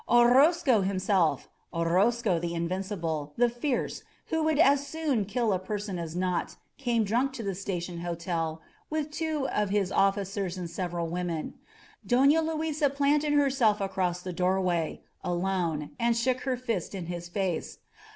Orozco himself — Orozco the invincible, the fierce, who would as soon kill a person as not — came drunk to the Sta tion Hotel with two of his officers and several women. Dona Luisa planted herself across the doorway — alone — and shook her fist in his face.